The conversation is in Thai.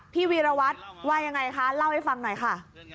วีรวัตรว่ายังไงคะเล่าให้ฟังหน่อยค่ะ